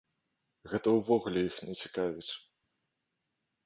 Гэта ўвогуле іх не цікавіць!